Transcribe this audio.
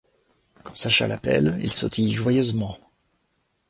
Quand Sacha l'appelle, il sautille joyeusement.